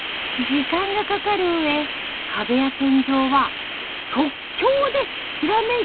時間がかかるうえ壁や天井は即興でひらめいた形にするとか。